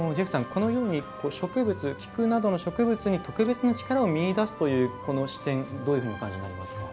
このように菊などの植物に特別な力を見いだすという視点どうお感じになりますか？